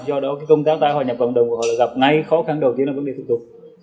do đó công tác tái hòa nhập cộng đồng của họ gặp ngay khó khăn đầu tiên là vấn đề thủ tục